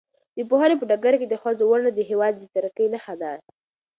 د پوهنې په ډګر کې د ښځو ونډه د هېواد د ترقۍ نښه ده.